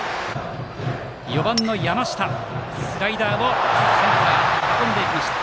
４番の山下はスライダーをセンターに運びました。